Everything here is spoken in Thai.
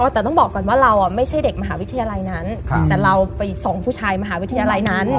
แต่ต้องบอกก่อนว่าเราไม่ใช่เด็กมหาวิทยาลัยนั้นแต่เราไปส่งผู้ชายมหาวิทยาลัยนั้น